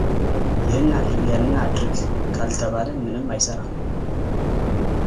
ይህን አድርግ ያንን አድርግ ካልተባለ ምንም አይሰራም፡፡